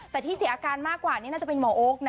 แต่ที่เสียอาการมากกว่านี่น่าจะเป็นหมอโอ๊คนะ